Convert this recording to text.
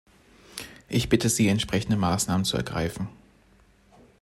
Ich bitte Sie, entsprechende Maßnahmen zu ergreifen.